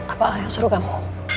apa al yang suruh kamu